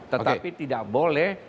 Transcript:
tetapi tidak boleh